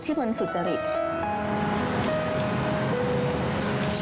ที่มันสิทธิ์จริง